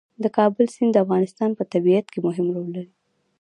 د کابل سیند د افغانستان په طبیعت کې مهم رول لري.